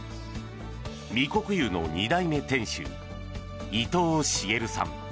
御谷湯の二代目店主伊藤林さん。